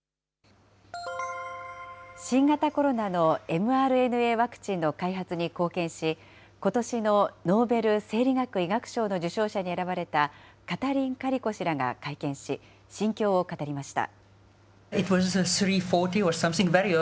新型コロナのｍＲＮＡワクチンの開発に貢献し、ことしのノーベル生理学・医学賞の受賞者に選ばれたカタリン・カリコ氏らが会見し、心境を語りました。